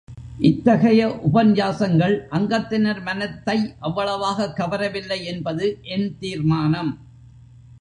இத்தகைய உபன்யாசங்கள் அங்கத்தினர் மனத்தை அவ்வளவாகக் கவரவில்லை என்பது என் தீர்மானம்.